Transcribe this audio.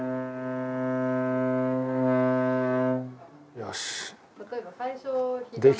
よし！